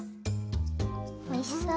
おいしそう。